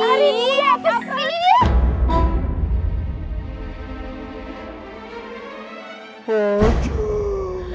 arin ini apa sih